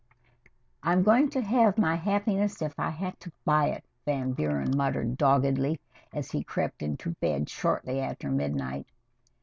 "I'm going to have my happiness, if I have to buy it," Van Buren muttered doggedly, as he crept into bed shortly after midnight.